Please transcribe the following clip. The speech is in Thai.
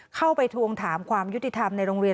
ทวงถามความยุติธรรมในโรงเรียน